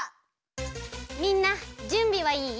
みんなじゅんびはいい？